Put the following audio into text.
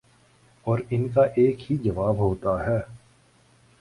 اور ان کا ایک ہی جواب ہوتا ہے